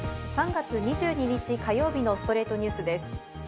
３月２２日、火曜日の『ストレイトニュース』です。